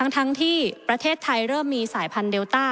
ทั้งที่ประเทศไทยเริ่มมีสายพันธุเดลต้า